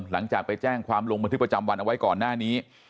หลังจากไปแจ้งความลงบันทึกประจำวันเอาไว้ก่อนหน้านี้